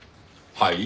はい？